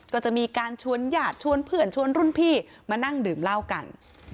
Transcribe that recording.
ก็จะมีการชวนญาติชวนเพื่อนชวนรุ่นพี่มานั่งดื่มเหล้ากัน